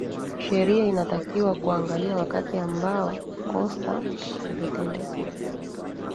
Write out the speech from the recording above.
sheria inatakiwa kuangalia wakati ambao kosa limetendeka